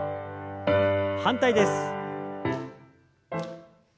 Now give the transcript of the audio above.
反対です。